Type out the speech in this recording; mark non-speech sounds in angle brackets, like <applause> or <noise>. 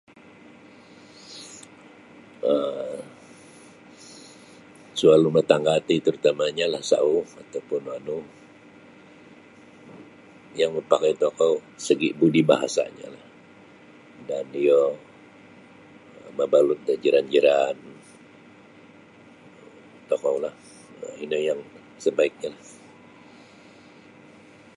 um Salalu <unintelligible> terutamanya ialah sauh ataupun wanu yang mapakai tokou segi budi bahasanyo lah dan iyo mabalut da jiran-jiran tokou lah um ino yang sabaiknyo lah.